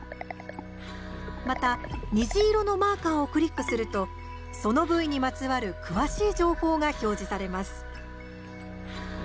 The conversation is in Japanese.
また虹色のマーカーをクリックするとその部位にまつわる詳しい情報が表示されます。